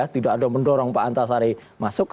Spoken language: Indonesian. tidak ada mendorong pak antasari masuk